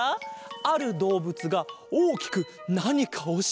あるどうぶつがおおきくなにかをしているぞ！